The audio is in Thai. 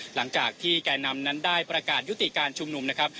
หลังจากที่แก่นำนั้นได้ประกาศยุติการชุมนุมนะครับ